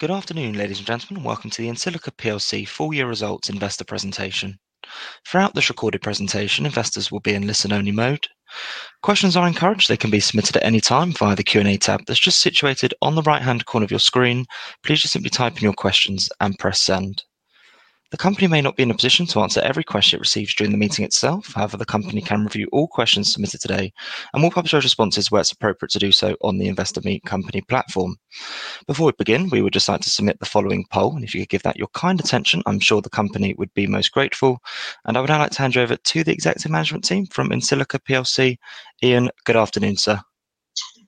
Good afternoon, ladies and gentlemen. Welcome to the EnSilica PLC four-year results investor presentation. Throughout this recorded presentation, investors will be in listen-only mode. Questions are encouraged; they can be submitted at any time via the Q&A tab that's just situated on the right-hand corner of your screen. Please just simply type in your questions and press send. The company may not be in a position to answer every question it receives during the meeting itself. However, the company can review all questions submitted today and will publish those responses where it's appropriate to do so on the Investor Meet Company platform. Before we begin, we would just like to submit the following poll, and if you could give that your kind attention, I'm sure the company would be most grateful. I would now like to hand you over to the executive management team from EnSilica PLC. Ian, good afternoon, sir.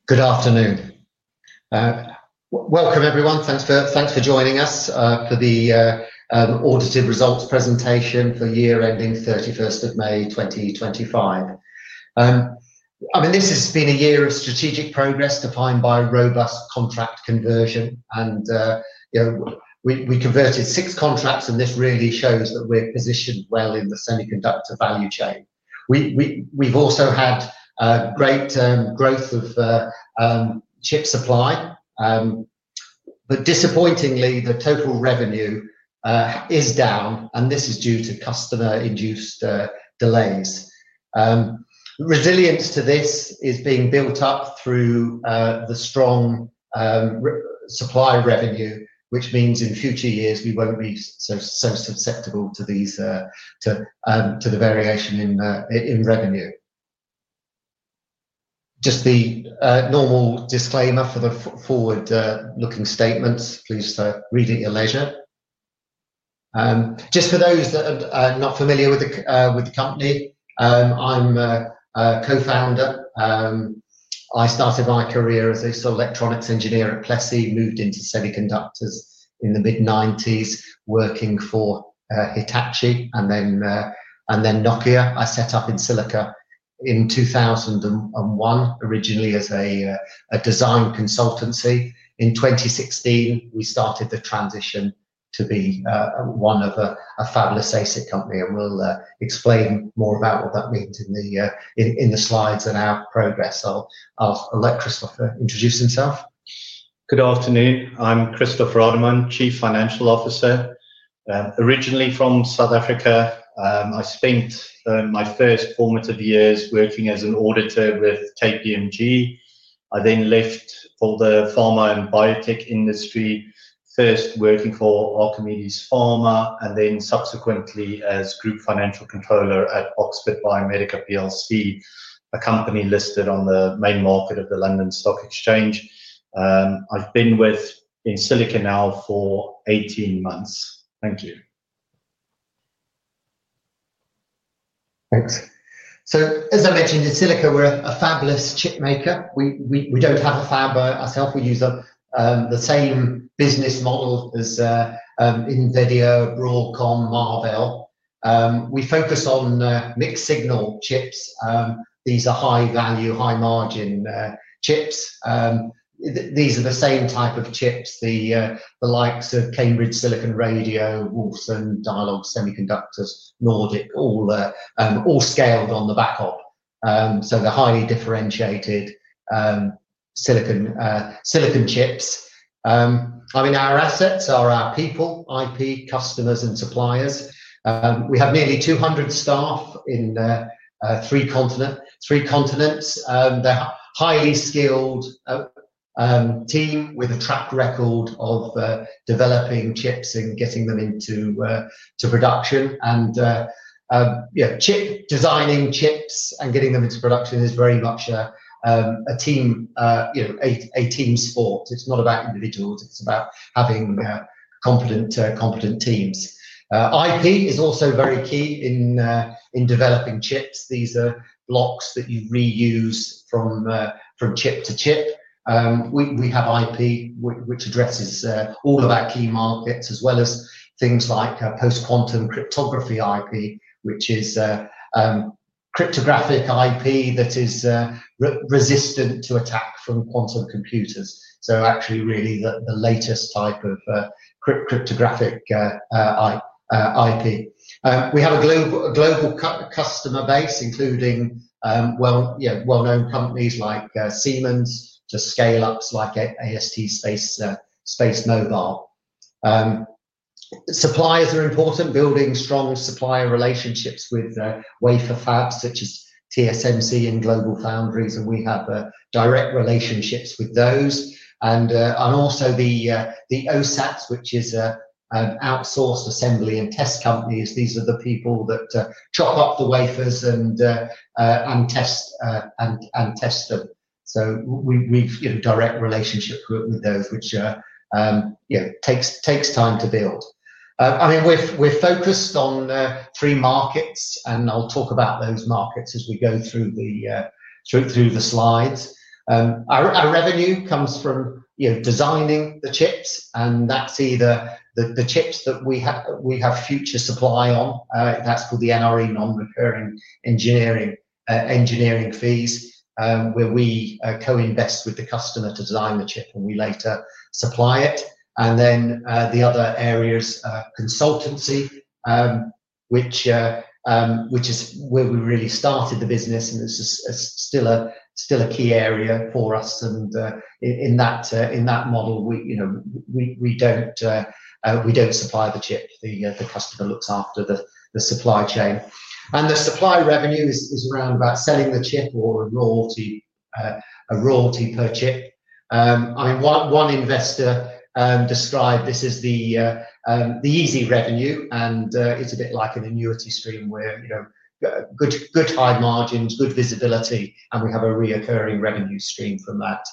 Good afternoon. Welcome, everyone. Thanks for joining us for the audited results presentation for the year ending 31st of May 2025. I mean, this has been a year of strategic progress defined by robust contract conversion. We converted six contracts, and this really shows that we're positioned well in the semiconductor value chain. We've also had great growth of chip supply. Disappointingly, the total revenue is down, and this is due to customer-induced delays. Resilience to this is being built up through the strong supply revenue, which means in future years we won't be so susceptible to the variation in revenue. Just the normal disclaimer for the forward-looking statements. Please read at your leisure. Just for those that are not familiar with the company, I'm a co-founder. I started my career as a solar electronics engineer at Plessey, moved into semiconductors in the mid-1990s, working for Hitachi, and then Nokia. I set up EnSilica in 2001, originally as a design consultancy. In 2016, we started the transition to be one of a fabless ASIC company, and we'll explain more about what that means in the slides and our progress. I'll ask Kristoff to introduce himself. Good afternoon. I'm Kristoff Rademacher, Chief Financial Officer. Originally from South Africa. I spent my first formative years working as an auditor with KPMG. I then left for the pharma and biotech industry, first working for Archimedes Pharma and then subsequently as Group Financial Controller at Oxford Biomedica PLC, a company listed on the main market of the London Stock Exchange. I've been with EnSilica now for 18 months. Thank you. Thanks. As I mentioned, EnSilica, we're a fabless chip maker. We don't have a fab ourselves. We use the same business model as NVIDIA, Broadcom, Marvell. We focus on mixed-signal chips. These are high-value, high-margin chips. These are the same type of chips the likes of Cambridge Silicon Radio, Wolfson, Dialog Semiconductor, Nordic, all scaled on the back of. The highly differentiated silicon chips. I mean, our assets are our people, IP, customers, and suppliers. We have nearly 200 staff in three continents. They're a highly skilled team with a track record of developing chips and getting them into production. Chip designing chips and getting them into production is very much a team sport. It's not about individuals, it's about having competent teams. IP is also very key in developing chips. These are blocks that you reuse from chip to chip. We have IP, which addresses all of our key markets, as well as things like post-quantum cryptography IP, which is cryptographic IP that is resistant to attack from quantum computers. Actually, really the latest type of cryptographic IP. We have a global customer base, including well-known companies like Siemens to scale-ups like AST SpaceMobile. Suppliers are important. Building strong supplier relationships with wafer fabs such as TSMC and GlobalFoundries, and we have direct relationships with those. Also the OSATs, which is an outsourced assembly and test company. These are the people that chop up the wafers and test them. We have a direct relationship with those, which takes time to build. I mean, we're focused on three markets, and I'll talk about those markets as we go through the slides. Our revenue comes from designing the chips, and that's either the chips that we have future supply on. That's called the NRE, non-recurring engineering fees, where we co-invest with the customer to design the chip, and we later supply it. The other area is consultancy, which is where we really started the business, and it's still a key area for us. In that model, we don't supply the chip, the customer looks after the supply chain. The supply revenue is around about selling the chip or a royalty per chip. I mean, one investor described this as the easy revenue, and it's a bit like an annuity stream where good high margins, good visibility, and we have a reoccurring revenue stream from that.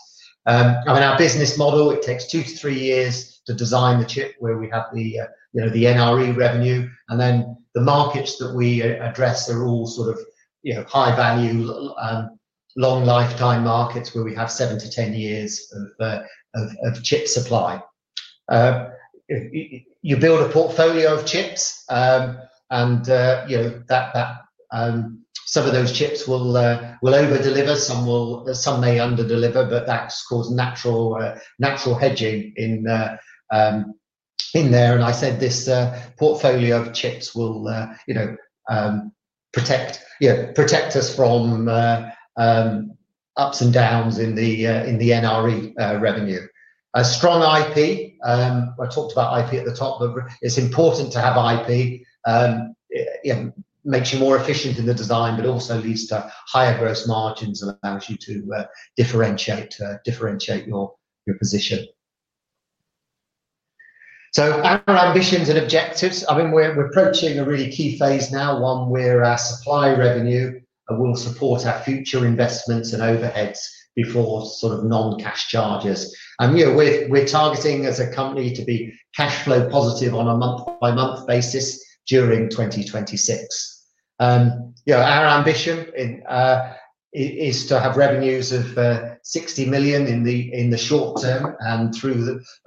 I mean, our business model, it takes two to three years to design the chip where we have the NRE revenue. The markets that we address are all sort of high-value, long-lifetime markets where we have seven to ten years of chip supply. You build a portfolio of chips, and some of those chips will over-deliver. Some may under-deliver, but that causes natural hedging in there. I said this portfolio of chips will protect us from ups and downs in the NRE revenue. Strong IP. I talked about IP at the top, but it's important to have IP. Makes you more efficient in the design, but also leads to higher gross margins and allows you to differentiate your position. Our ambitions and objectives, I mean, we're approaching a really key phase now, one, where our supply revenue will support our future investments and overheads before sort of non-cash charges. We're targeting as a company to be cash flow positive on a month-by-month basis during 2026. Our ambition is to have revenues of 60 million in the short-term. Through this,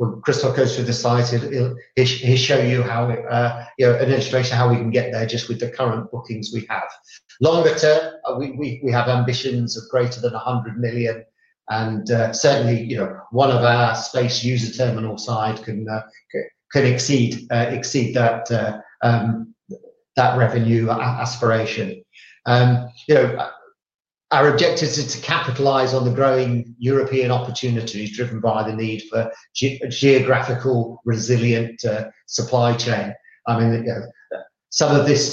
Kristoff goes to the side, he'll show you an illustration of how we can get there just with the current bookings we have. Longer-term, we have ambitions of greater than 100 million. Certainly, one of our space user terminal side can exceed that revenue aspiration. Our objective is to capitalize on the growing European opportunities driven by the need for geographical resilient supply chain. I mean, some of these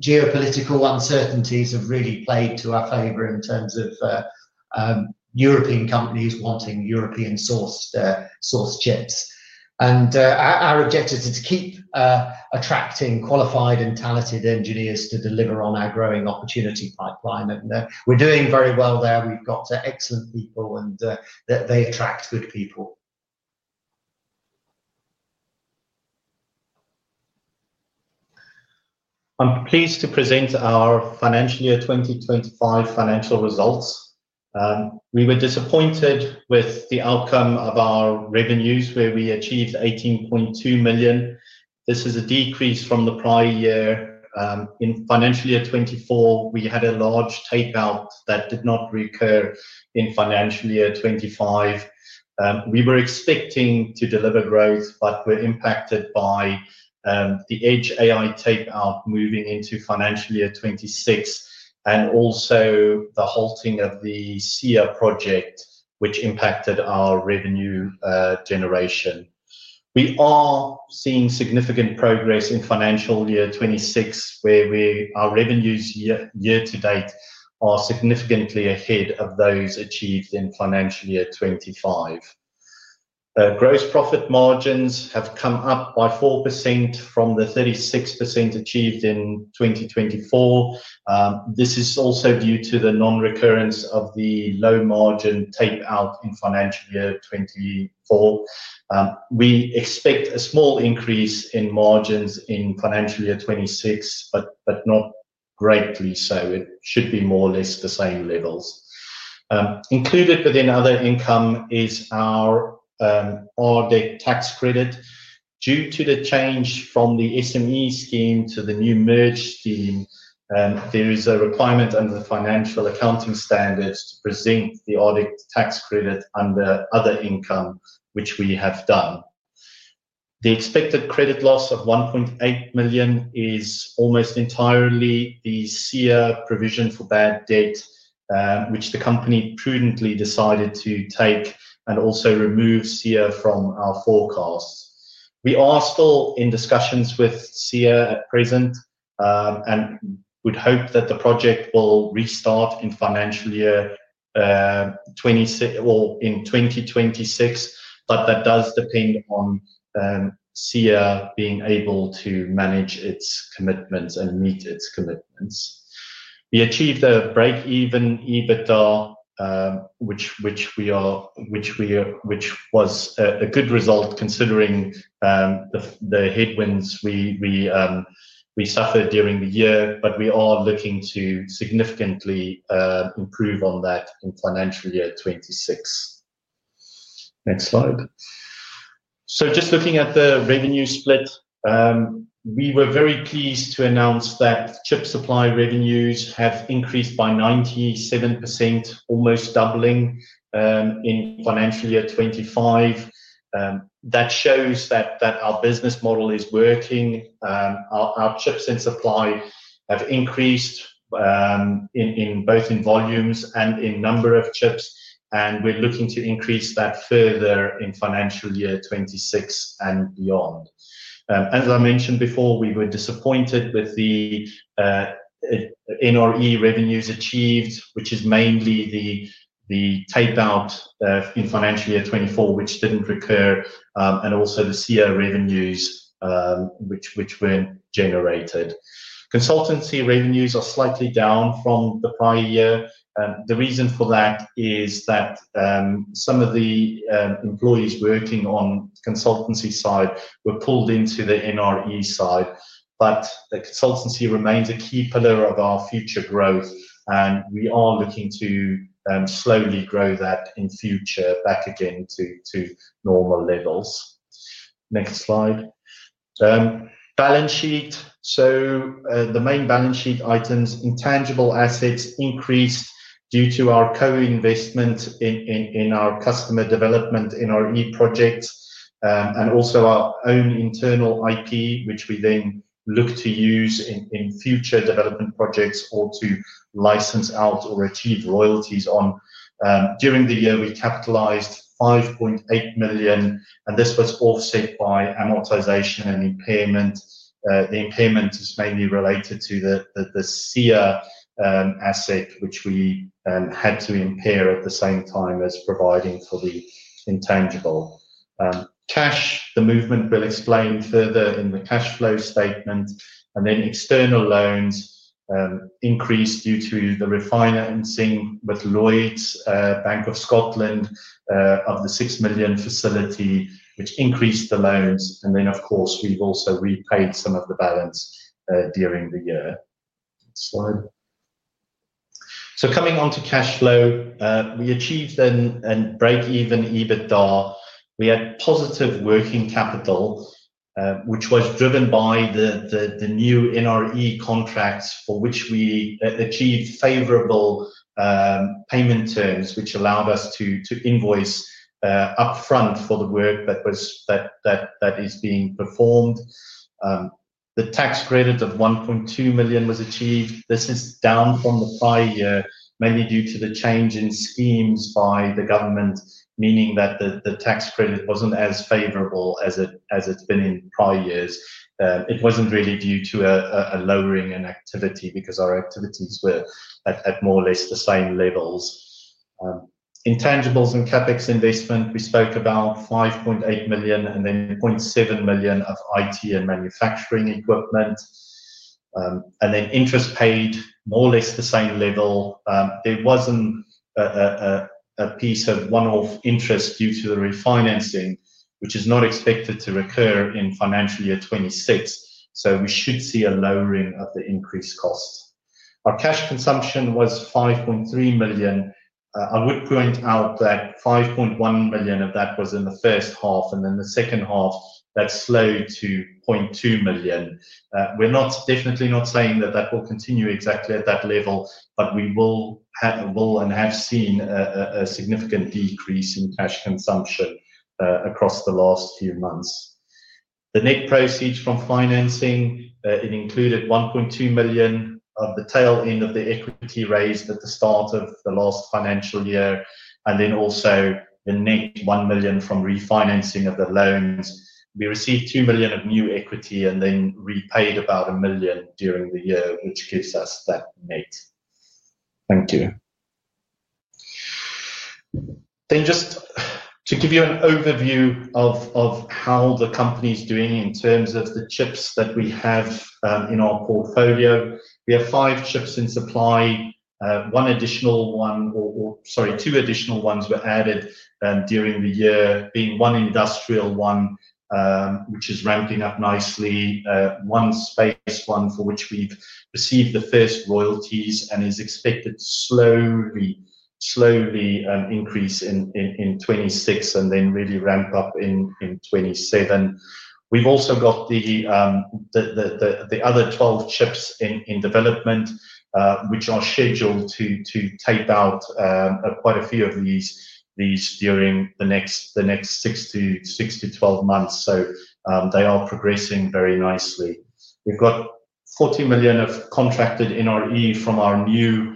geopolitical uncertainties have really played to our favor in terms of European companies wanting European-sourced chips. Our objective is to keep attracting qualified and talented engineers to deliver on our growing opportunity pipeline. We're doing very well there. We've got excellent people, and they attract good people. I'm pleased to present our financial year 2025 financial results. We were disappointed with the outcome of our revenues, where we achieved 18.2 million. This is a decrease from the prior year. In financial year 2024, we had a large takeout that did not recur in financial year 2025. We were expecting to deliver growth, but we're impacted by the edge AI takeout moving into financial year 2026 and also the halting of the SIAE project, which impacted our revenue generation. We are seeing significant progress in financial year 2026, where our revenues year-to-date are significantly ahead of those achieved in financial year 2025. Gross profit margins have come up by 4% from the 36% achieved in 2024. This is also due to the non-recurrence of the low-margin takeout in financial year 2024. We expect a small increase in margins in financial year 2026, but not greatly. It should be more or less the same levels. Included within other income is our audit tax credit. Due to the change from the SME scheme to the new merged scheme, there is a requirement under the financial accounting standards to present the audit tax credit under other income, which we have done. The expected credit loss of 1.8 million is almost entirely the SIAE provision for bad debt, which the company prudently decided to take and also remove SIAE from our forecasts. We are still in discussions with SIAE at present and would hope that the project will restart in financial year 2026 or in 2026, but that does depend on SIAE being able to manage its commitments and meet its commitments. We achieved a break-even EBITDA, which was a good result considering the headwinds we suffered during the year, but we are looking to significantly improve on that in financial year 2026. Next slide. Just looking at the revenue split. We were very pleased to announce that chip supply revenues have increased by 97%, almost doubling in financial year 2025. That shows that our business model is working. Our chips in supply have increased, both in volumes and in number of chips, and we're looking to increase that further in financial year 2026 and beyond. As I mentioned before, we were disappointed with the NRE revenues achieved, which is mainly the takeout in financial year 2024, which did not recur, and also the SIAE revenues, which were generated. Consultancy revenues are slightly down from the prior year. The reason for that is that some of the employees working on the consultancy side were pulled into the NRE side, but the consultancy remains a key pillar of our future growth, and we are looking to slowly grow that in future back again to normal levels. Next slide. Balance sheet. The main balance sheet items, intangible assets increased due to our co-investment in our customer development, in our E projects, and also our own internal IP, which we then look to use in future development projects or to license out or achieve royalties on. During the year, we capitalized 5.8 million, and this was offset by amortization and impairment. The impairment is mainly related to the SIAE asset, which we had to impair at the same time as providing for the intangible. Cash, the movement will explain further in the cash flow statement. External loans increased due to the refinancing with Lloyds Bank of Scotland of the 6 million facility, which increased the loans. We have also repaid some of the balance during the year. Next slide. Coming on to cash flow, we achieved a break-even EBITDA. We had positive working capital, which was driven by the new NRE contracts for which we achieved favorable payment terms, which allowed us to invoice upfront for the work that is being performed. The tax credit of 1.2 million was achieved. This is down from the prior year, mainly due to the change in schemes by the government, meaning that the tax credit was not as favorable as it has been in prior years. It was not really due to a lowering in activity because our activities were at more or less the same levels. Intangibles and CapEx investment, we spoke about 5.8 million and then 0.7 million of IT and manufacturing equipment. Interest paid, more or less the same level. There was a piece of one-off interest due to the refinancing, which is not expected to recur in financial year 2026. We should see a lowering of the increased cost. Our cash consumption was 5.3 million. I would point out that 5.1 million of that was in the first half, and then the second half, that slowed to 0.2 million. We're definitely not saying that that will continue exactly at that level, but we will and have seen a significant decrease in cash consumption across the last few months. The net proceeds from financing, it included 1.2 million of the tail end of the equity raised at the start of the last financial year, and then also the net 1 million from refinancing of the loans. We received 2 million of new equity and then repaid about 1 million during the year, which gives us that net. Thank you. Just to give you an overview of how the company is doing in terms of the chips that we have in our portfolio, we have five chips in supply. One additional one, or sorry, two additional ones were added during the year, being one industrial one, which is ramping up nicely. One space one for which we've received the first royalties and is expected to slowly increase in 2026 and then really ramp up in 2027. We've also got the other 12 chips in development, which are scheduled to take out quite a few of these during the next 6-12 months. So they are progressing very nicely. We've got 40 million contracted NRE from our new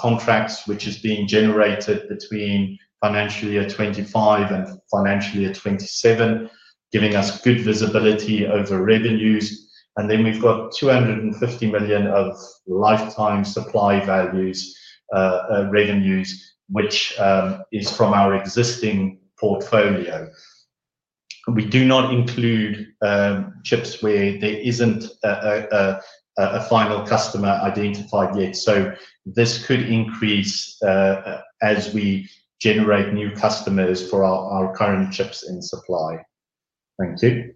contracts, which is being generated between financial year 2025 and financial year 2027, giving us good visibility over revenues. And then we've got 250 million of lifetime supply values revenues, which is from our existing portfolio. We do not include chips where there isn't a final customer identified yet. This could increase as we generate new customers for our current chips in supply. Thank you.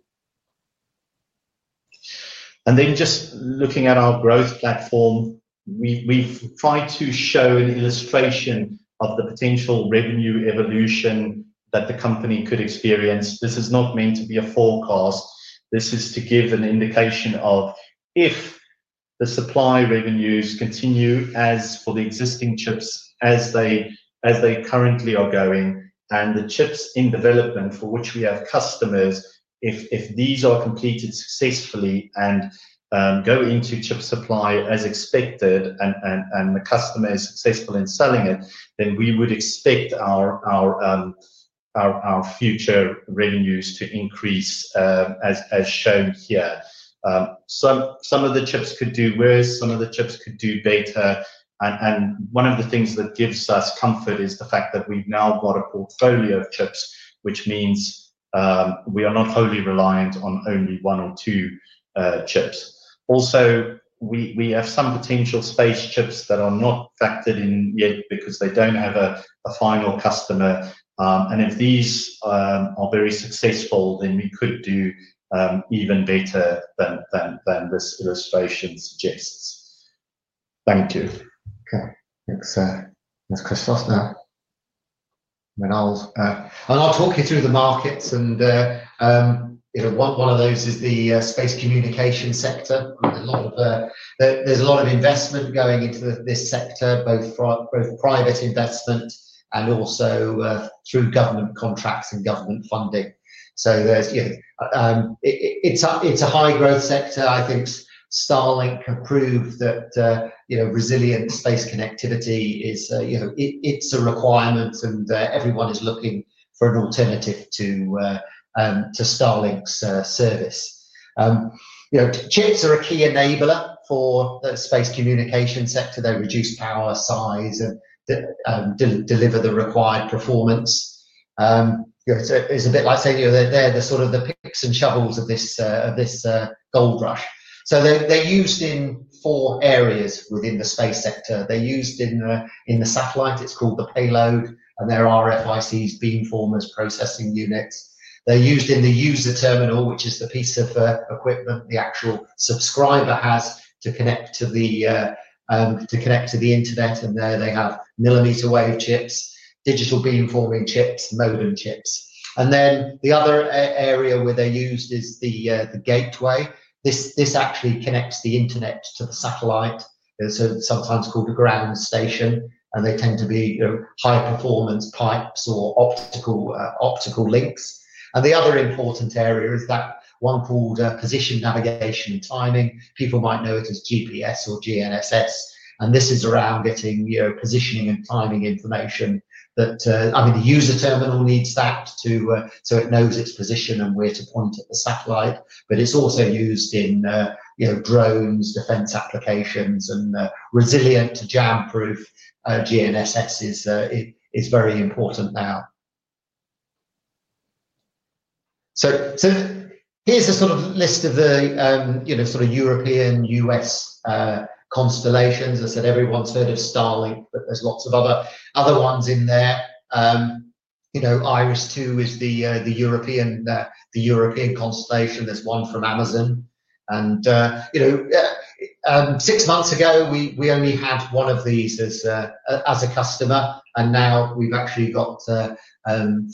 And then just looking at our growth platform. We've tried to show an illustration of the potential revenue evolution that the company could experience. This is not meant to be a forecast. This is to give an indication of if the supply revenues continue as for the existing chips as they currently are going and the chips in development for which we have customers. If these are completed successfully and go into chip supply as expected and the customer is successful in selling it, then we would expect our future revenues to increase as shown here. Some of the chips could do worse. Some of the chips could do better. One of the things that gives us comfort is the fact that we've now got a portfolio of chips, which means we are not wholly reliant on only one or two chips. Also, we have some potential space chips that are not factored in yet because they do not have a final customer. If these are very successful, then we could do even better than this illustration suggests. Thank you. Okay. Thanks, Kristoff. I'll talk you through the markets. One of those is the space communication sector. There's a lot of investment going into this sector, both private investment and also through government contracts and government funding. It's a high-growth sector. I think Starlink can prove that resilient space connectivity is a requirement, and everyone is looking for an alternative to Starlink's service. Chips are a key enabler for the space communication sector. They reduce power, size, and deliver the required performance. It's a bit like saying they're sort of the picks and shovels of this gold rush. They're used in four areas within the space sector. They're used in the satellite, it's called the payload, and there are ASICs, beamformers, processing units. They're used in the user terminal, which is the piece of equipment the actual subscriber has to connect to the internet and there they have millimeter wave chips, digital beamforming chips, modem chips. The other area where they're used is the gateway. This actually connects the internet to the satellite. It's sometimes called a ground station, and they tend to be high-performance pipes or optical links. The other important area is that one called position navigation and timing. People might know it as GPS or GNSS. This is around getting positioning and timing information that, I mean, the user terminal needs that so it knows its position and where to point at the satellite. It's also used in drones, defense applications, and resilient to jam-proof GNSS is very important now. Here's a sort of list of the sort of European, U.S. constellations. I said everyone's heard of Starlink, but there's lots of other ones in there. Iris 2 is the European constellation, there's one from Amazon. Six months ago, we only had one of these as a customer, and now we've actually got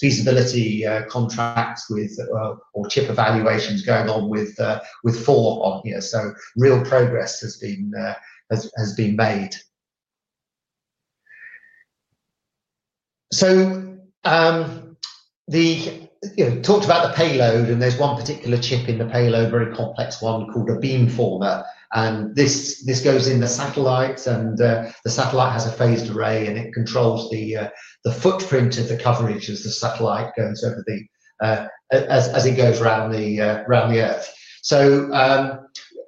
feasibility contracts or chip evaluations going on with four on here. Real progress has been made. We talked about the payload, and there's one particular chip in the payload, a very complex one called a beamformer. This goes in the satellite, and the satellite has a phased array, and it controls the footprint of the coverage as the satellite goes over the Earth.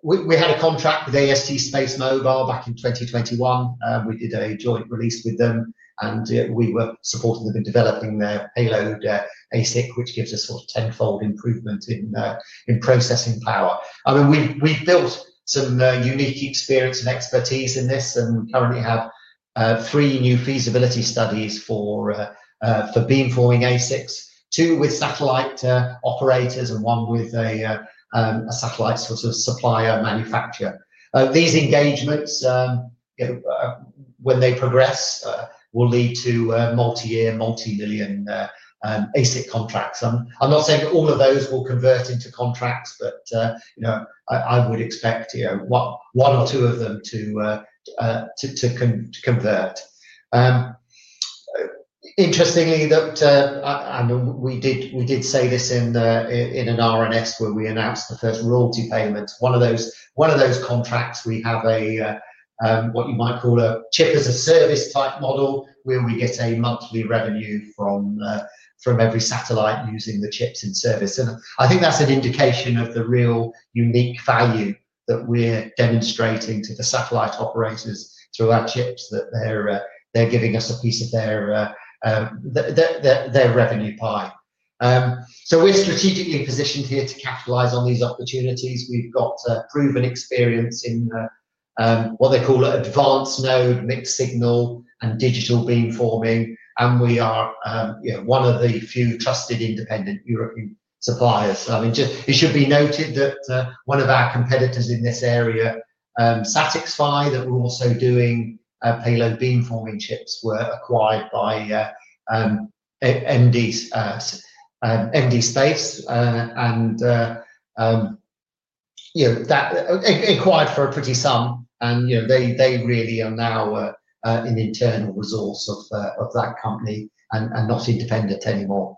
We had a contract with AST SpaceMobile back in 2021. We did a joint release with them, and we were supporting them in developing their payload ASIC, which gives us sort of tenfold improvement in processing power. I mean, we've built some unique experience and expertise in this and currently have three new feasibility studies for beamforming ASICs, two with satellite operators and one with a satellite sort of supplier manufacturer. These engagements, when they progress, will lead to multi-year, multi-million ASIC contracts. I'm not saying that all of those will convert into contracts, but I would expect one or two of them to convert. Interestingly, we did say this in an R&S where we announced the first royalty payment. One of those contracts, we have a what you might call a chip-as-a-service type model where we get a monthly revenue from every satellite using the chips in service. I think that's an indication of the real unique value that we're demonstrating to the satellite operators through our chips that they're giving us a piece of their revenue pie. We are strategically positioned here to capitalize on these opportunities. We've got proven experience in what they call advanced node mixed signal and digital beamforming, and we are one of the few trusted independent European suppliers. I mean, it should be noted that one of our competitors in this area, SatixFy, that were also doing payload beamforming chips, were acquired by MDA Space. Acquired for a pretty sum, and they really are now an internal resource of that company and not independent anymore.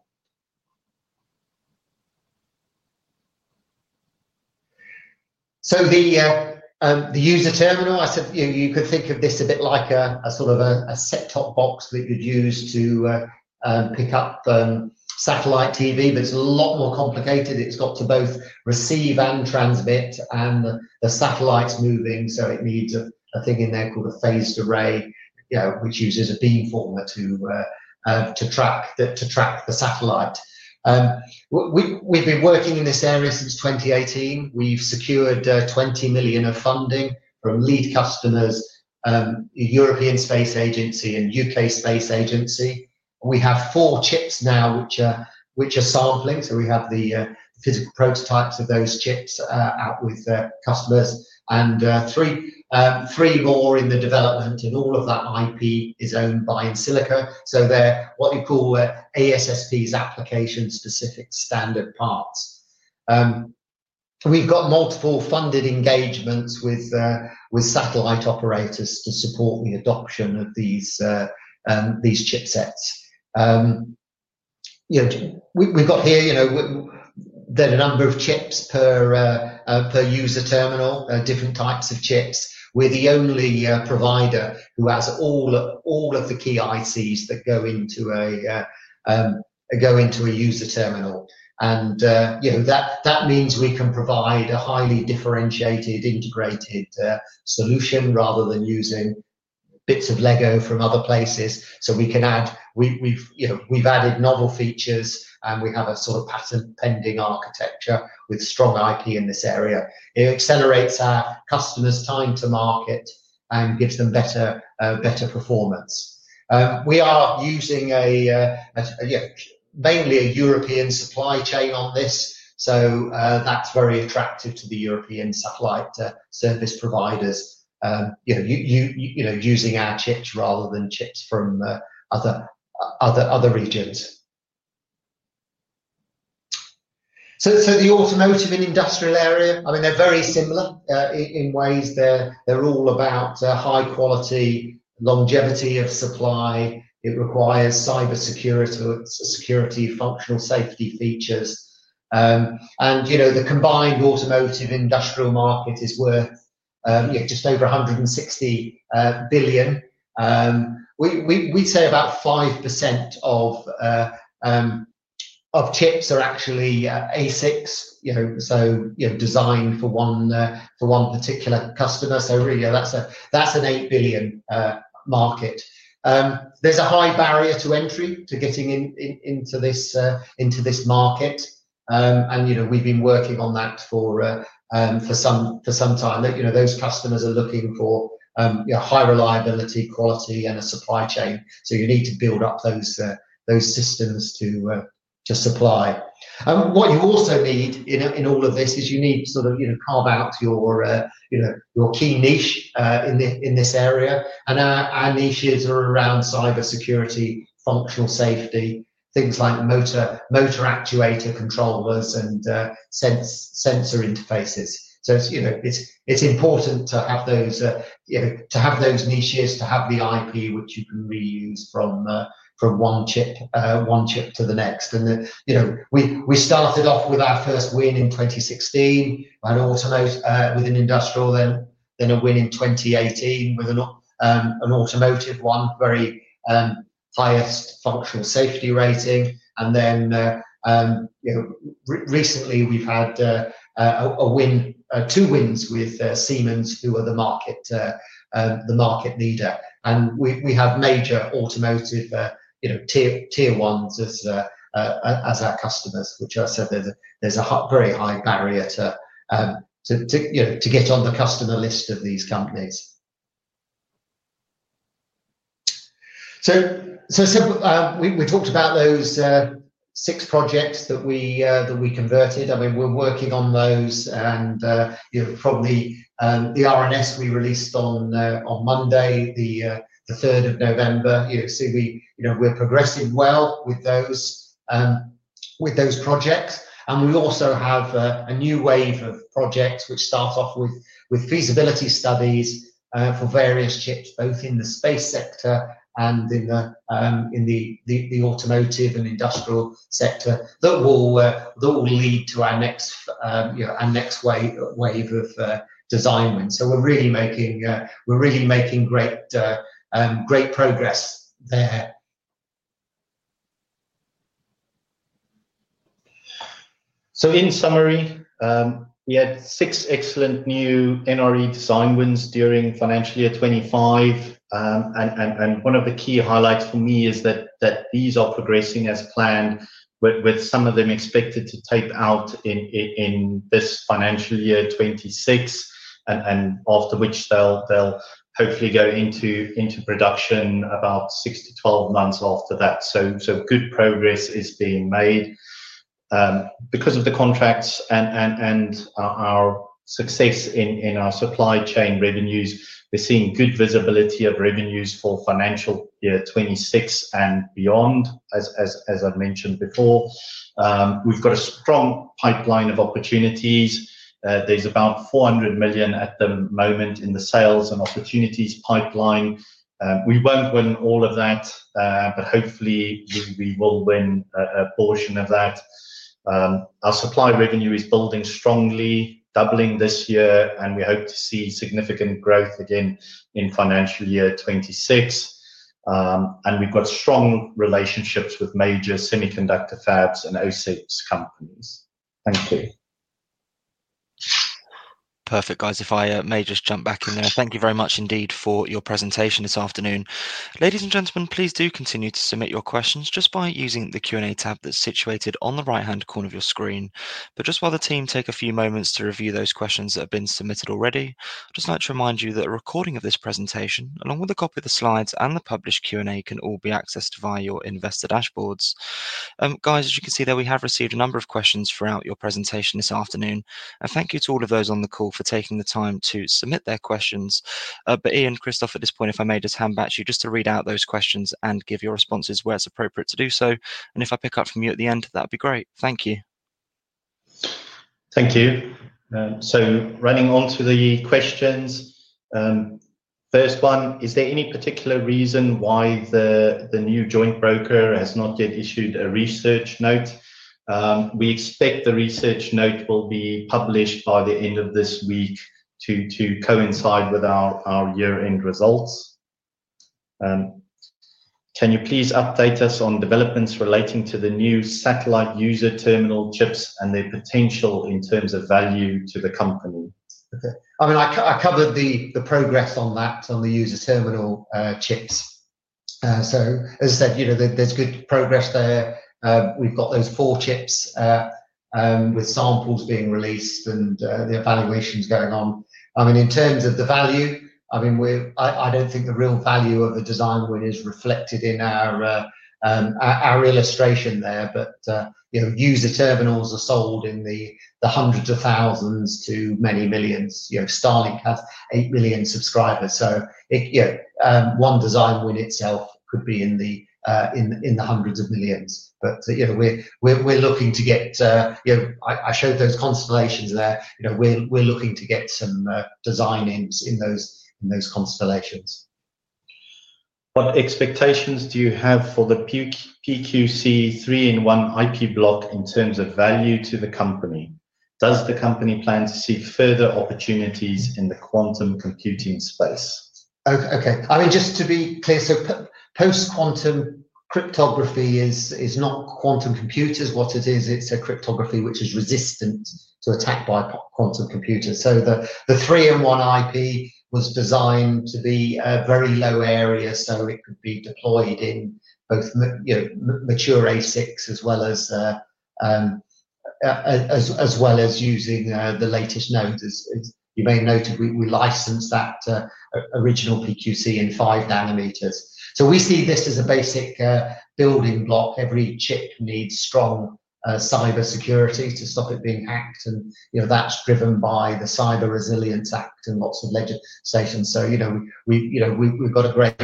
The user terminal, I said you could think of this a bit like a sort of a set-top box that you'd use to pick up satellite TV, but it's a lot more complicated. It's got to both receive and transmit, and the satellite's moving, so it needs a thing in there called a phased array, which uses a beamformer to track the satellite. We've been working in this area since 2018. We've secured 20 million of funding from lead customers. European Space Agency and U.K. Space Agency. We have four chips now which are sampling. We have the physical prototypes of those chips out with customers and three more in development. All of that IP is owned by EnSilica. They are what they call ASSPs, application-specific standard parts. We have got multiple funded engagements with satellite operators to support the adoption of these chipsets. There are a number of chips per user terminal, different types of chips. We are the only provider who has all of the key ICs that go into a user terminal. That means we can provide a highly differentiated, integrated solution rather than using bits of Lego from other places. We have added novel features, and we have a sort of patent-pending architecture with strong IP in this area. It accelerates our customers' time to market and gives them better performance. We are using mainly a European supply chain on this, so that's very attractive to the European satellite service providers, using our chips rather than chips from other regions. The automotive and industrial area, I mean, they're very similar in ways, they're all about high-quality longevity of supply, it requires cybersecurity, functional safety features. The combined automotive industrial market is worth just over 160 billion. We'd say about 5% of chips are actually ASICs, so designed for one particular customer. Really, that's a 8 billion market. There's a high barrier to entry to getting into this market. We've been working on that for some time. Those customers are looking for high-reliability quality and a supply chain, so you need to build up those systems to supply. What you also need in all of this is you need to sort of carve out your key niche in this area. Our niches are around cybersecurity, functional safety, things like motor actuator controllers, and sensor interfaces. It is important to have those niches, to have the IP which you can reuse from one chip to the next. We started off with our first win in 2016, an automotive with an industrial, then a win in 2018 with an automotive one, very highest functional safety rating. Recently, we have had two wins with Siemens, who are the market leader. We have major automotive Tier 1s as our customers, which I said there is a very high barrier to get on the customer list of these companies. We talked about those six projects that we converted. I mean, we are working on those, and probably the R&S we released on Monday, the 3rd of November. We are progressing well with those projects. We also have a new wave of projects which start off with feasibility studies for various chips, both in the space sector and in the automotive and industrial sector that will lead to our next wave of design wins. We're really making great progress there. In summary, we had six excellent new NRE design wins during financial year 2025. One of the key highlights for me is that these are progressing as planned, with some of them expected to tape out in this financial year 2026, after which they'll hopefully go into production about 6-12 months after that. Good progress is being made. Because of the contracts and our success in our supply chain revenues, we're seeing good visibility of revenues for financial year 2026 and beyond, as I've mentioned before. We've got a strong pipeline of opportunities there is about 400 million at the moment in the sales and opportunities pipeline. We will not win all of that, but hopefully, we will win a portion of that. Our supply revenue is building strongly, doubling this year, and we hope to see significant growth again in financial year 2026. We have strong relationships with major semiconductor fabs and OSAT companies. Thank you. Perfect, guys. If I may just jump back in there, thank you very much indeed for your presentation this afternoon. Ladies and gentlemen, please do continue to submit your questions just by using the Q&A tab that is situated on the right-hand corner of your screen. Just while the team take a few moments to review those questions that have been submitted already, I'd just like to remind you that a recording of this presentation, along with a copy of the slides and the published Q&A, can all be accessed via your investor dashboards. Guys, as you can see there, we have received a number of questions throughout your presentation this afternoon. Thank you to all of those on the call for taking the time to submit their questions. Ian, Kristoff, at this point, if I may just hand back to you to read out those questions and give your responses where it's appropriate to do so. If I pick up from you at the end, that'd be great. Thank you. Thank you. Running on to the questions. First one, is there any particular reason why the new joint broker has not yet issued a research note? We expect the research note will be published by the end of this week to coincide with our year-end results. Can you please update us on developments relating to the new satellite user terminal chips and their potential in terms of value to the company? Okay. I mean, I covered the progress on that, on the user terminal chips. So as I said, there's good progress there. We've got those four chips, with samples being released and the evaluations going on. I mean, in terms of the value, I mean, I don't think the real value of the design win is reflected in our illustration there, but user terminals are sold in the hundreds of thousands to many millions. Starlink has 8 million subscribers. One design win itself could be in the hundreds of millions. We are looking to get, I showed those constellations there, we are looking to get some design wins in those constellations. What expectations do you have for the PQC three-in-one IP block in terms of value to the company? Does the company plan to see further opportunities in the quantum computing space? Okay. I mean, just to be clear, post-quantum cryptography is not quantum computers. What it is, it is a cryptography which is resistant to attack by quantum computers. The three-in-one IP was designed to be a very low area, so it could be deployed in both mature ASICs as well as using the latest nodes. As you may have noted, we licensed that original PQC in 5 nm. We see this as a basic building block, every chip needs strong cybersecurity to stop it being hacked, and that's driven by the Cyber Resilience Act and lots of legislation. We've got a great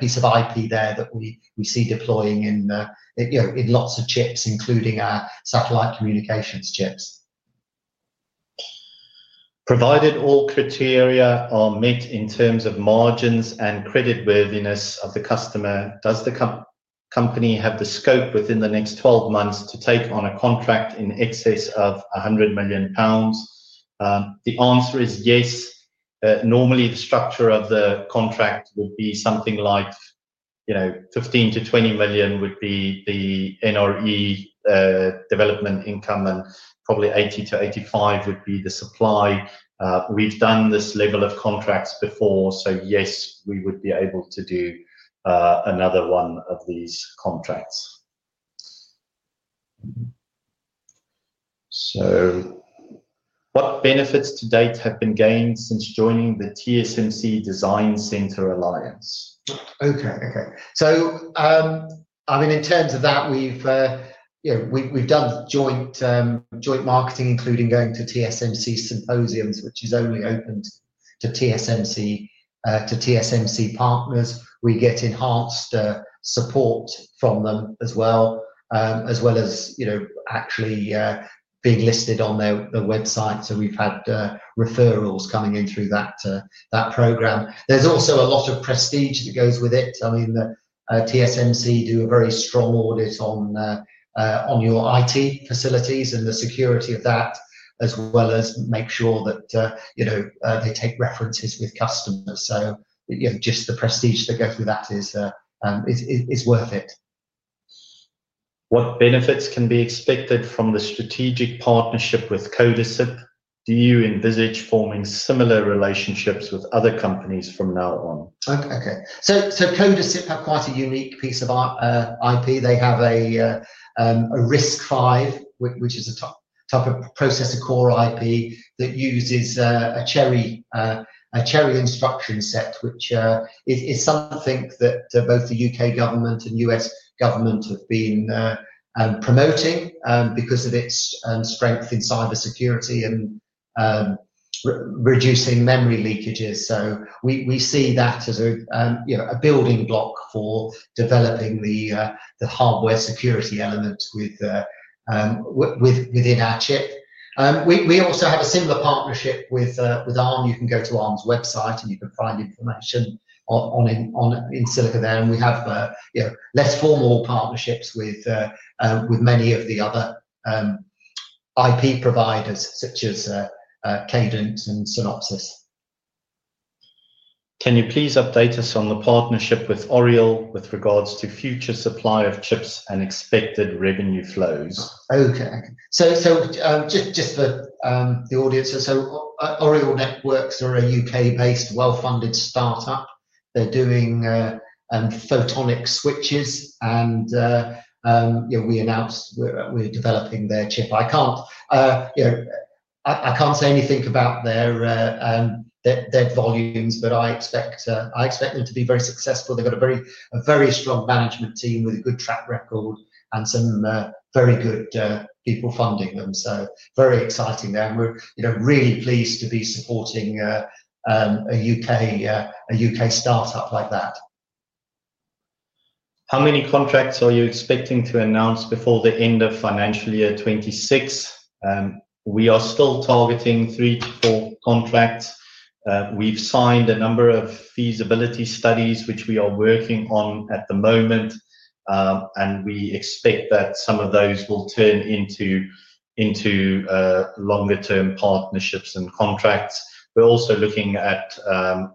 piece of IP there that we see deploying in lots of chips, including our satellite communications chips. Provided all criteria are met in terms of margins and creditworthiness of the customer, does the company have the scope within the next 12 months to take on a contract in excess of 100 million pounds? The answer is yes. Normally, the structure of the contract would be something like 15 illion-GBP 20 million would be the NRE development income, and probably 80 million-85 million would be the supply. We've done this level of contracts before, so yes, we would be able to do another one of these contracts. What benefits to date have been gained since joining the TSMC Design Center Alliance? Okay. Okay. I mean, in terms of that, we've done joint marketing, including going to TSMC symposiums, which is only open to TSMC partners. We get enhanced support from them as well, as well as actually being listed on their website. So we've had referrals coming in through that program. There's also a lot of prestige that goes with it. I mean, TSMC do a very strong audit on your IT facilities and the security of that, as well as make sure that they take references with customers. Just the prestige that goes with that is worth it. What benefits can be expected from the strategic partnership with CODASIP? Do you envisage forming similar relationships with other companies from now on? Okay. So CODASIP have quite a unique piece of IP. They have a RISC-V, which is a type of processor core IP that uses a Cherry instruction set, which is something that both the U.K. government and U.S. government have been promoting because of its strength in cybersecurity and reducing memory leakages. We see that as a building block for developing the hardware security element within our chip. We also have a similar partnership with ARM. You can go to ARM's website, and you can find information on EnSilica there. We have less formal partnerships with many of the other IP providers, such as Cadence and Synopsys. Can you please update us on the partnership with Oriole with regards to future supply of chips and expected revenue flows? Okay. Okay. Just for the audience, Oriole Networks are a U.K.-based, well-funded start-up. They're doing photonic switches, and we announced we're developing their chip. I can't say anything about their volumes, but I expect them to be very successful. They've got a very strong management team with a good track record and some very good people funding them. Very exciting there. We're really pleased to be supporting a U.K. start-up like that. How many contracts are you expecting to announce before the end of financial year 2026? We are still targeting three to four contracts. We've signed a number of feasibility studies, which we are working on at the moment. We expect that some of those will turn into longer-term partnerships and contracts. We're also looking at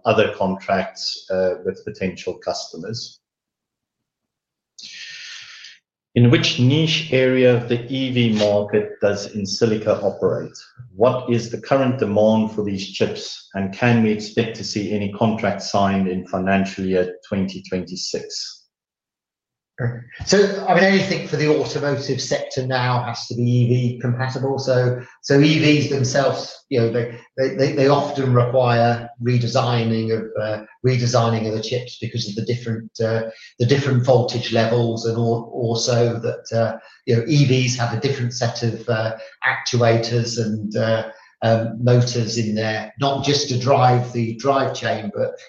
other contracts with potential customers. In which niche area of the EV market does EnSilica operate? What is the current demand for these chips, and can we expect to see any contracts signed in financial year 2026? I mean, anything for the automotive sector now has to be EV-compatible. EVs themselves often require redesigning of the chips because of the different voltage levels and also that EVs have a different set of actuators and motors in there, not just to drive the drive chain, but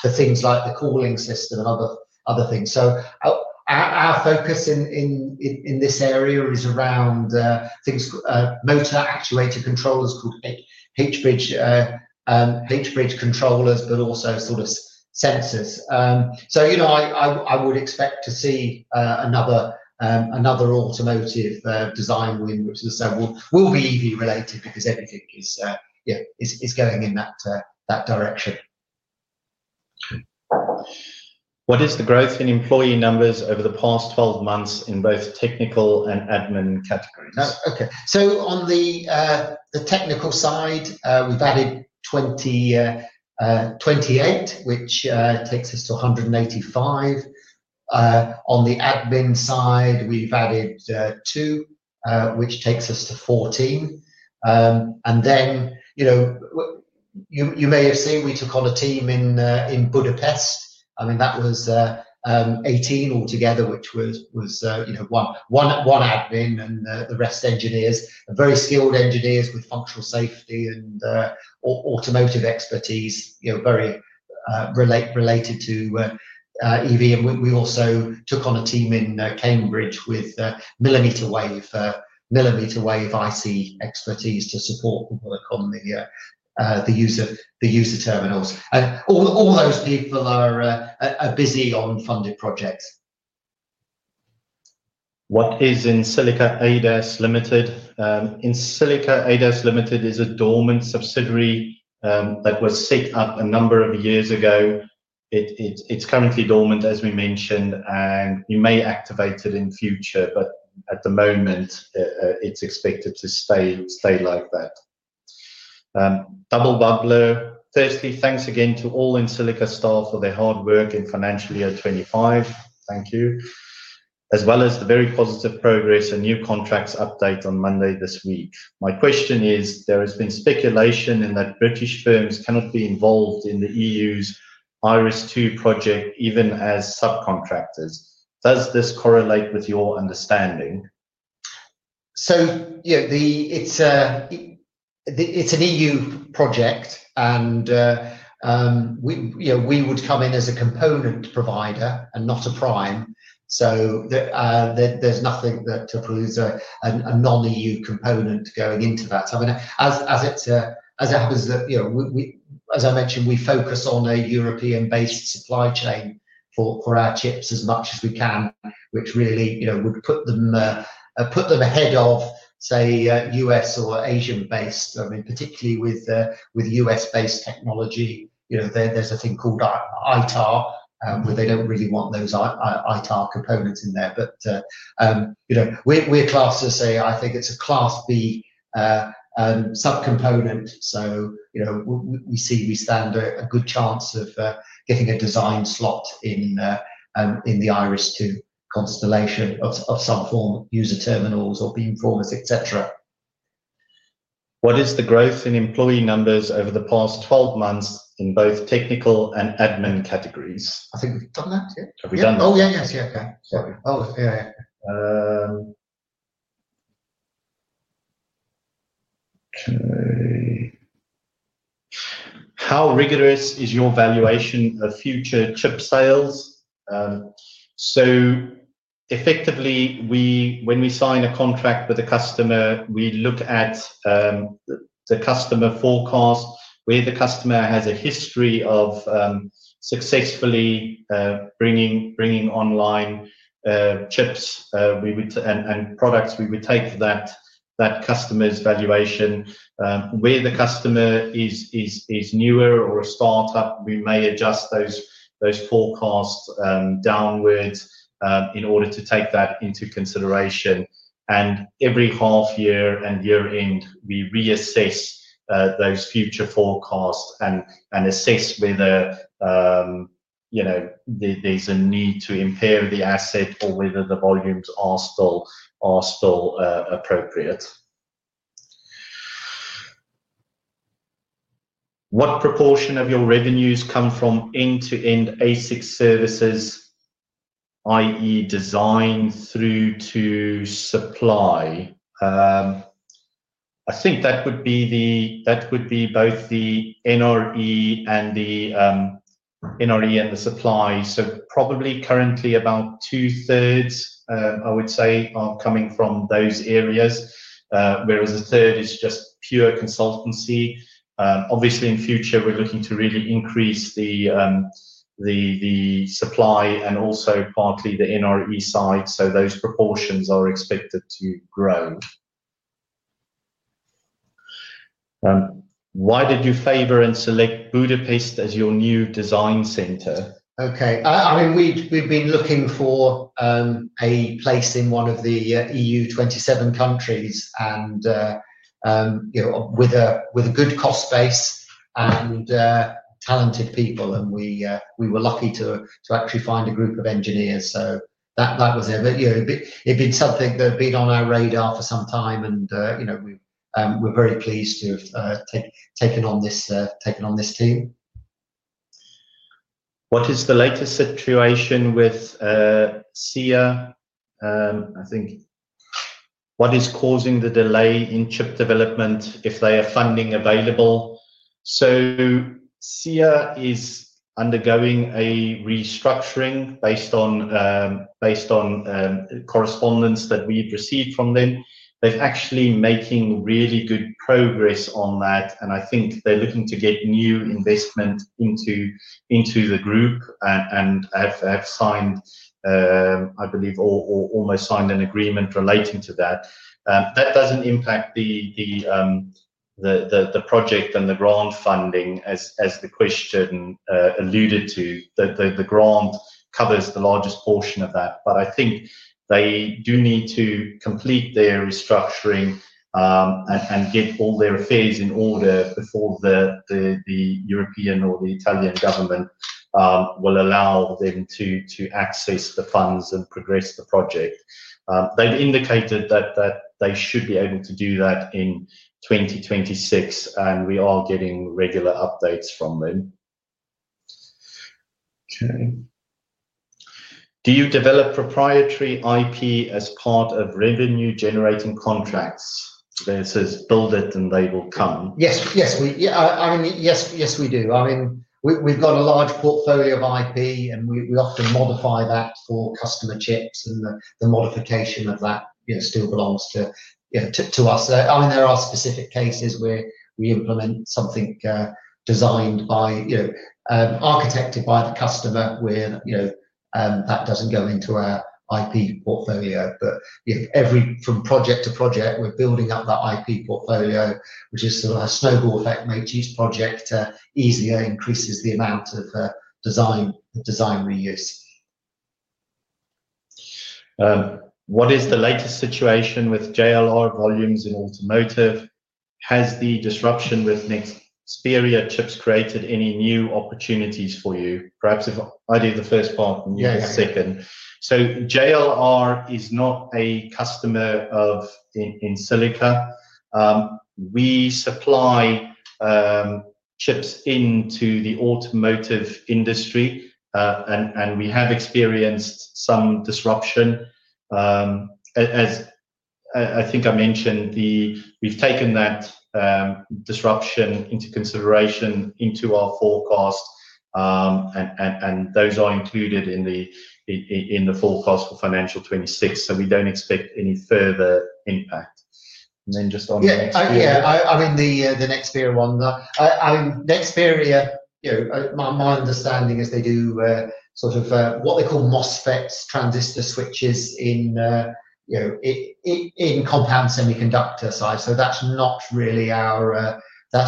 for things like the cooling system and other things. Our focus in this area is around motor actuator controllers called H-bridge controllers, but also sort of sensors. I would expect to see another automotive design win, which will be EV-related because everything is going in that direction. What is the growth in employee numbers over the past 12 months in both technical and admin categories? Okay. On the technical side, we've added 28, which takes us to 185. On the admin side, we've added 2, which takes us to 14. You may have seen we took on a team in Budapest. I mean, that was 18 altogether, which was one admin and the rest engineers, very skilled engineers with functional safety and automotive expertise, very related to EV. And we also took on a team in Cambridge with millimeter wave IC expertise to support people that come in the user terminals. All those people are busy on funded projects. What is EnSilica Adas Limited? EnSilica Adas Limited is a dormant subsidiary that was set up a number of years ago. It's currently dormant, as we mentioned, and you may activate it in future, but at the moment, it's expected to stay like that. Double bubbler. Firstly, thanks again to all EnSilica staff for their hard work in financial year 2025. Thank you. As well as the very positive progress and new contracts update on Monday this week. My question is, there has been speculation in that British firms cannot be involved in the EU's IRIS2 project even as subcontractors. Does this correlate with your understanding? It's an EU project, and we would come in as a component provider and not a prime. There's nothing that would produce a non-EU component going into that. I mean, as it happens, as I mentioned, we focus on a European-based supply chain for our chips as much as we can, which really would put them ahead of, say, U.S. or Asian-based. I mean, particularly with U.S.-based technology, there's a thing called ITAR, where they don't really want those ITAR components in there. We're classed A, I think it's a Class B subcomponent. We see we stand a good chance of getting a design slot in the IRIS2 constellation of some form, user terminals or beamformers, etc. What is the growth in employee numbers over the past 12 months in both technical and admin categories? I think we've done that. Yeah. Have we done that? Oh, yeah. Okay. Sorry. Oh, yeah, yeah. Okay. How rigorous is your valuation of future chip sales? So effectively, when we sign a contract with a customer, we look at the customer forecast, where the customer has a history of successfully bringing online chips and products. We would take that customer's valuation. Where the customer is newer or a start-up, we may adjust those forecasts downwards in order to take that into consideration. Every half year and year-end, we reassess those future forecasts and assess whether there is a need to impair the asset or whether the volumes are still appropriate. What proportion of your revenues come from end-to-end ASIC services, i.e. design through to supply? I think that would be both the NRE and the supply. Probably currently about two-thirds, I would say, are coming from those areas, whereas a third is just pure consultancy. Obviously, in future, we're looking to really increase the supply and also partly the NRE side. Those proportions are expected to grow. Why did you favor and select Budapest as your new design center? Okay. I mean, we've been looking for a place in one of the EU 27 countries with a good cost base and talented people, and we were lucky to actually find a group of engineers. It had been something that had been on our radar for some time, and we're very pleased to have taken on this team. What is the latest situation with SIAE? I think, what is causing the delay in chip development if they have funding available? SIAE is undergoing a restructuring based on correspondence that we've received from them. They're actually making really good progress on that, and I think they're looking to get new investment into the group and have signed, I believe, or almost signed an agreement relating to that. That does not impact the project and the grant funding, as the question alluded to. The grant covers the largest portion of that. I think they do need to complete their restructuring and get all their affairs in order before the European or the Italian government will allow them to access the funds and progress the project. They've indicated that they should be able to do that in 2026, and we are getting regular updates from them. Okay. Do you develop proprietary IP as part of revenue-generating contracts? It says, "Build it and they will come." Yes. Yes. I mean, yes, we do. I mean, we've got a large portfolio of IP, and we often modify that for customer chips, and the modification of that still belongs to us. I mean, there are specific cases where we implement something designed by, architected by the customer, where that doesn't go into our IP portfolio. From project to project, we're building up that IP portfolio, which is sort of a snowball effect. Makes each project easier, increases the amount of design reuse. What is the latest situation with JLR volumes in automotive? Has the disruption with Nexperia chips created any new opportunities for you? Perhaps if I do the first part and you do the second. JLR is not a customer of EnSilica. We supply chips into the automotive industry, and we have experienced some disruption. As I think I mentioned, we've taken that disruption into consideration into our forecast. Those are included in the forecast for financial 2026. We do not expect any further impact. Yeah. I mean, the Nexperia one. I mean, Nexperia, my understanding is they do sort of what they call MOSFETs, transistor switches in the compound semiconductor side. That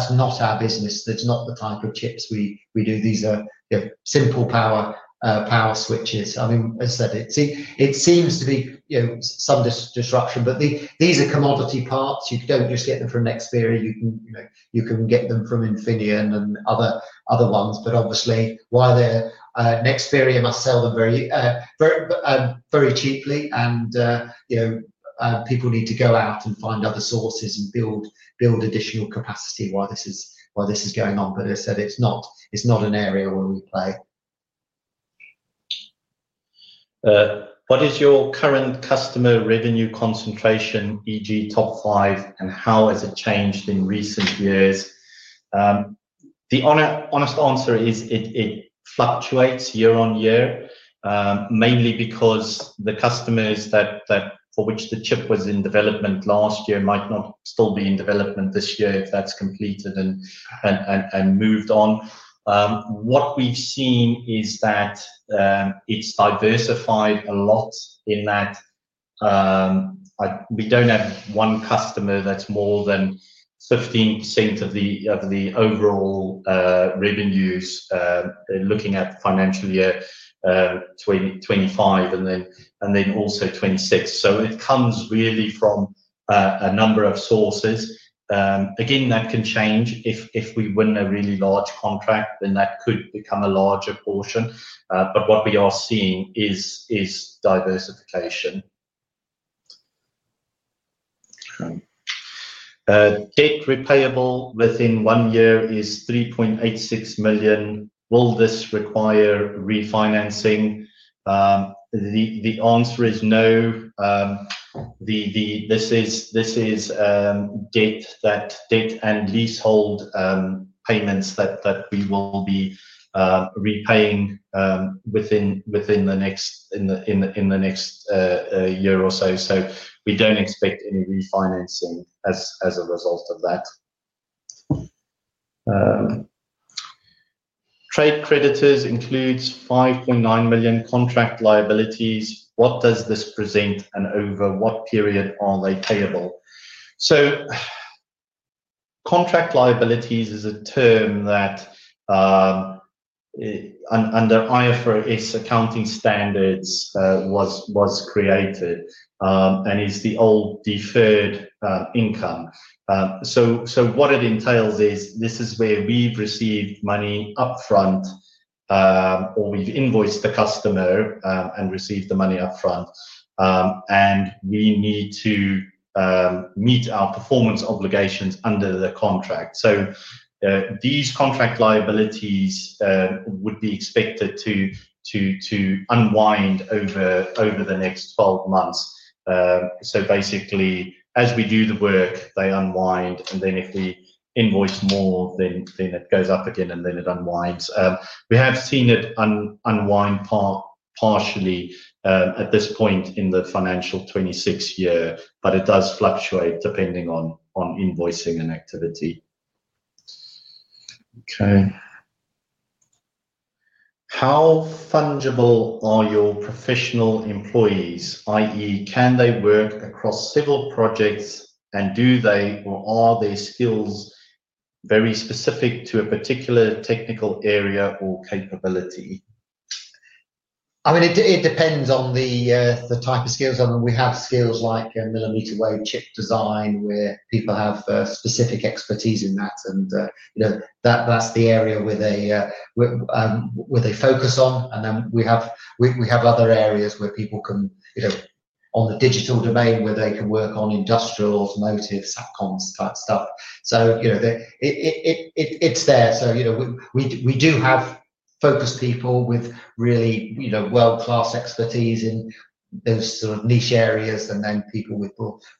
is not our business. That is not the type of chips we do, these are simple power switches. I mean, as I said, it seems to be some disruption, but these are commodity parts. You do not just get them from Nexperia. You can get them from Infineon and other ones. obviously, Nexperia must sell them very cheaply, and people need to go out and find other sources and build additional capacity while this is going on. As I said, it is not an area where we play. What is your current customer revenue concentration, e.g., top five, and how has it changed in recent years? The honest answer is it fluctuates year on year, mainly because the customers for which the chip was in development last year might not still be in development this year if that's completed and moved on. What we've seen is that it's diversified a lot in that we don't have one customer that's more than 15% of the overall revenues. Looking at financial year 2025 and then also 2026. It comes really from a number of sources. Again, that can change. If we win a really large contract, then that could become a larger portion. What we are seeing is diversification. Okay. Debt repayable within one year is 3.86 million. Will this require refinancing? The answer is no. This is debt and leasehold payments that we will be repaying within the next year or so. We do not expect any refinancing as a result of that. Trade creditors include 5.9 million contract liabilities. What does this present, and over what period are they payable? Contract liabilities is a term that under IFRS accounting standards was created and is the old deferred income. What it entails is this is where we have received money upfront or we have invoiced the customer and received the money upfront, and we need to meet our performance obligations under the contract. These contract liabilities would be expected to unwind over the next 12 months. Basically, as we do the work, they unwind, and then if we invoice more, then it goes up again, and then it unwinds. We have seen it unwind partially at this point in the financial 2026 year, but it does fluctuate depending on invoicing and activity. How fungible are your professional employees, i.e., can they work across several projects, and do they, or are their skills very specific to a particular technical area or capability? I mean, it depends on the type of skills. I mean, we have skills like millimeter wave chip design, where people have specific expertise in that, and that's the area with a focus on. Then we have other areas where people can, on the digital domain, where they can work on industrial automotive satcoms type stuff. It's there, we do have focused people with really world-class expertise in those sort of niche areas, and then people with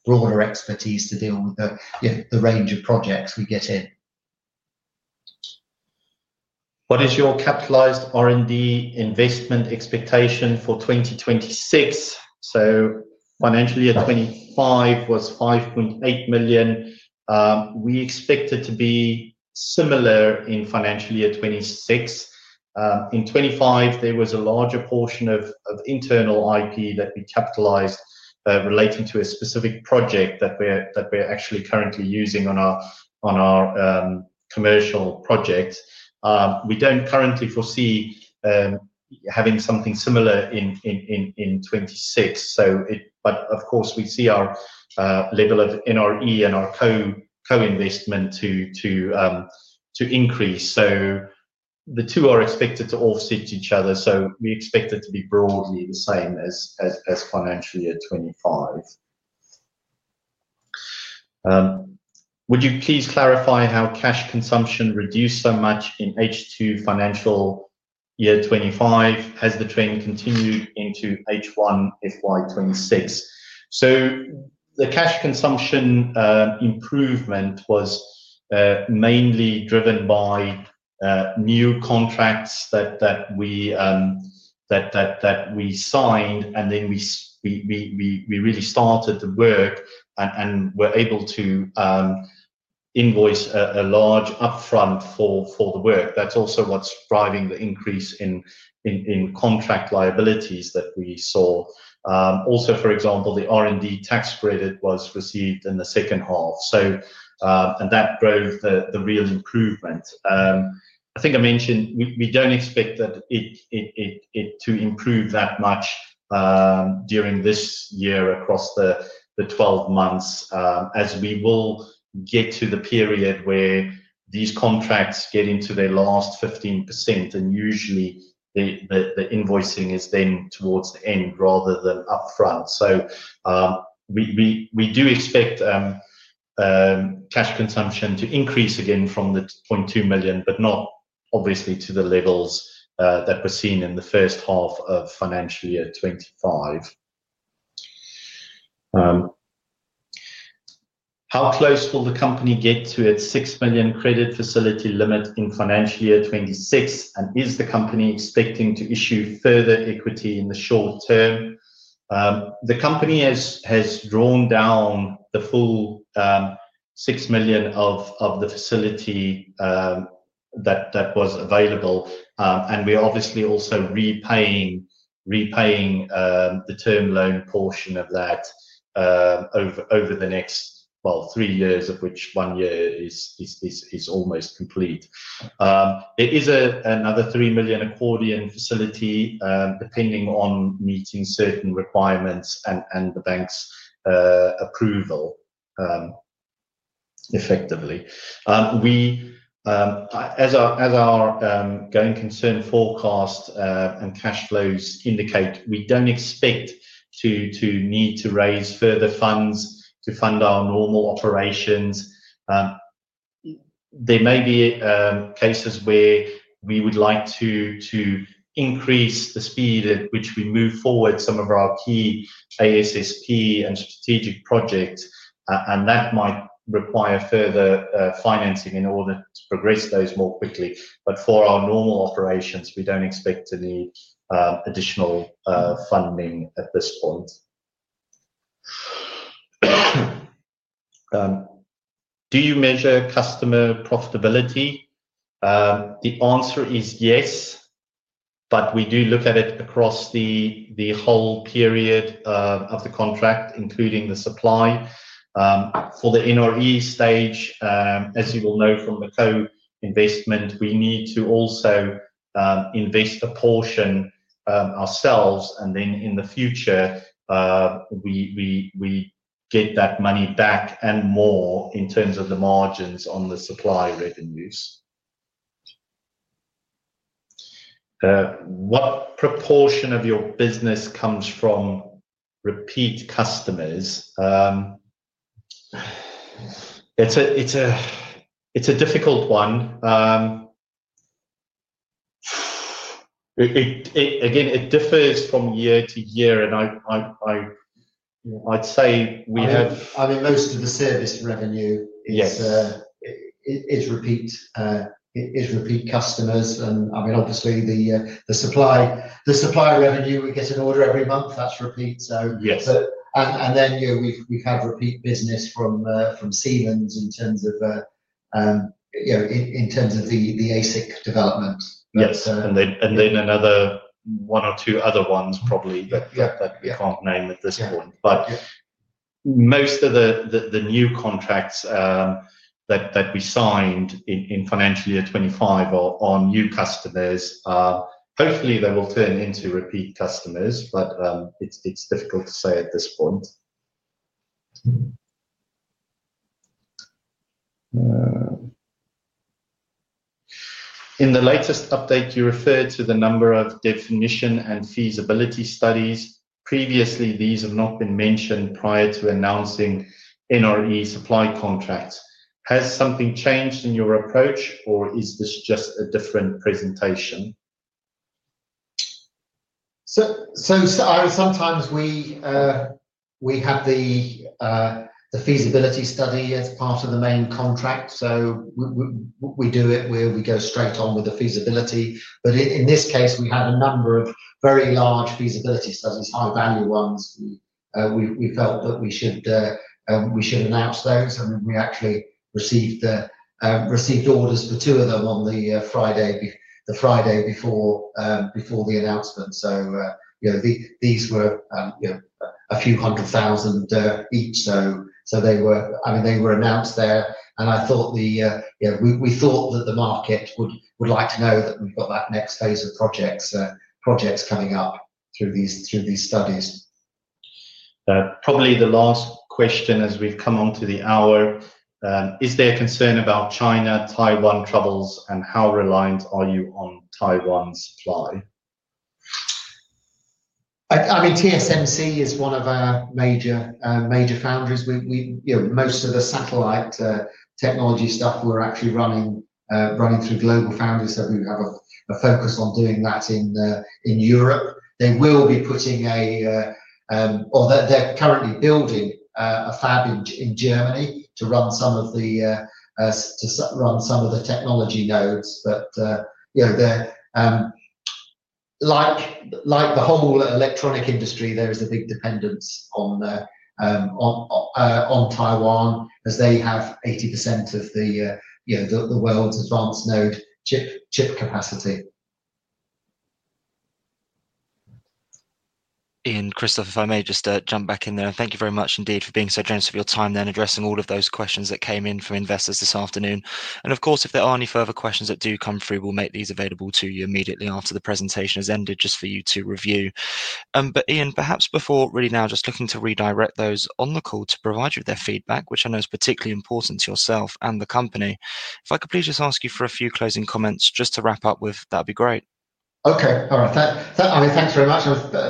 broader expertise to deal with the range of projects we get in. What is your capitalized R&D investment expectation for 2026? Financial year 2025 was 5.8 million. We expect it to be similar in financial year 2026. In 2025, there was a larger portion of internal IP that we capitalized relating to a specific project that we're actually currently using on our commercial project. We don't currently foresee having something similar in 2026. Of course, we see our level of NRE and our co-investment to increase. The two are expected to offset each other. We expect it to be broadly the same as financial year 2025. Would you please clarify how cash consumption reduced so much in H2 financial year 2025? Has the trend continued into H1 of 2026? The cash consumption improvement was mainly driven by new contracts that we signed, and then we really started the work and were able to invoice a large upfront for the work. That's also what's driving the increase in contract liabilities that we saw. Also, for example, the R&D tax credit was received in the second half. That drove the real improvement. I think I mentioned we do not expect that to improve that much during this year across the 12 months, as we will get to the period where these contracts get into their last 15%, and usually the invoicing is then towards the end rather than upfront. We do expect cash consumption to increase again from the 0.2 million, but not obviously to the levels that were seen in the first half of financial year 2025. How close will the company get to its 6 million credit facility limit in financial year 2026? Is the company expecting to issue further equity in the short term? The company has drawn down the full 6 million of the facility that was available, and we are obviously also repaying the term loan portion of that over the next three years, of which one year is almost complete. It is another 3 million accordion facility, depending on meeting certain requirements and the bank's approval effectively, as our going concern forecast and cash flows indicate, we don't expect to need to raise further funds to fund our normal operations. There may be cases where we would like to increase the speed at which we move forward some of our key ASSP and strategic projects, and that might require further financing in order to progress those more quickly. For our normal operations, we don't expect to need additional funding at this point. Do you measure customer profitability? The answer is yes. We do look at it across the whole period of the contract, including the supply. For the NRE stage, as you will know from the co-investment, we need to also invest a portion ourselves, and then in the future we get that money back and more in terms of the margins on the supply revenues. What proportion of your business comes from repeat customers? It's a difficult one. Again, it differs from year to year. I mean, most of the service revenue is repeat customers. I mean, obviously, the supply revenue, we get an order every month, that's repeat. We have had repeat business from Siemens in terms of the ASIC development, yes. And then another one or two other ones probably that we can't name at this point. Most of the new contracts that we signed in financial year 2025 are new customers. Hopefully, they will turn into repeat customers, but it's difficult to say at this point. In the latest update, you referred to the number of definition and feasibility studies. Previously, these have not been mentioned prior to announcing NRE supply contracts. Has something changed in your approach, or is this just a different presentation? Sometimes we have the feasibility study as part of the main contract. We do it where we go straight on with the feasibility. In this case, we had a number of very large feasibility studies, high-value ones. We felt that we should announce those. I mean, we actually received orders for two of them on the Friday before the announcement. These were a few hundred thousand each. I mean, they were announced there, and we thought that the market would like to know that we've got that next phase of projects coming up through these studies. Probably the last question as we've come on to the hour. Is there a concern about China-Taiwan troubles, and how reliant are you on Taiwan's supply? I mean, TSMC is one of our major foundries. Most of the satellite technology stuff we're actually running through GlobalFoundries, so we have a focus on doing that in Europe. They will be putting a, or they're currently building a fab in Germany to run some of the technology nodes. Like the whole electronic industry, there is a big dependence on Taiwan, as they have 80% of the world's advanced node chip capacity. Ian, Kristoff, if I may just jump back in there, and thank you very much indeed for being so generous of your time then addressing all of those questions that came in from investors this afternoon. Of course, if there are any further questions that do come through, we'll make these available to you immediately after the presentation has ended just for you to review. Ian, perhaps before really now just looking to redirect those on the call to provide you with their feedback, which I know is particularly important to yourself and the company, if I could please just ask you for a few closing comments just to wrap up with, that'd be great. Okay. All right. I mean, thanks very much.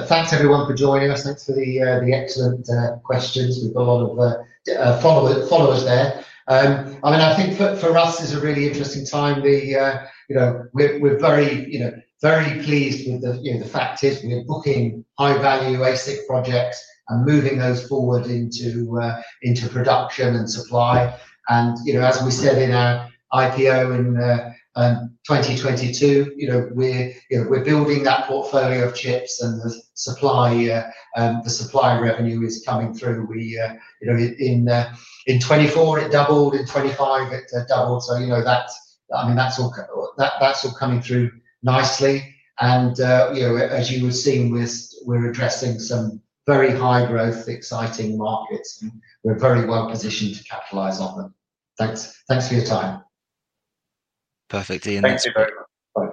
Thanks, everyone, for joining us. Thanks for the excellent questions. We've got a lot of followers there. I mean, I think for us, it's a really interesting time, we're very pleased with the fact is we're booking high-value ASIC projects and moving those forward into production and supply. As we said in our IPO in 2022, we're building that portfolio of chips, and the supply revenue is coming through. In 2024, it doubled. In 2025, it doubled. I mean, that's all coming through nicely. As you were seeing, we're addressing some very high-growth, exciting markets, and we're very well positioned to capitalize on them. Thanks for your time. Thank you very much. Bye.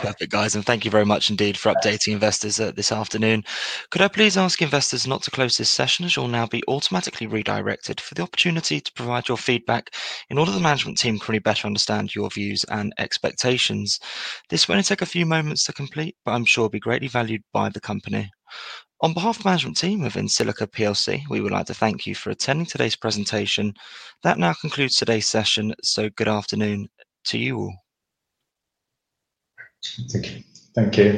Perfect, guys. Thank you very much indeed for updating investors this afternoon. Could I please ask investors not to close this session as you'll now be automatically redirected for the opportunity to provide your feedback in order the management team can better understand your views and expectations? This won't take a few moments to complete, but I'm sure it'll be greatly valued by the company. On behalf of the management team within EnSilica PLC, we would like to thank you for attending today's presentation. That now concludes today's session, so good afternoon to you all. Thank you. Thank you.